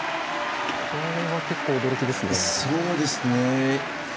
これは結構、驚きですね。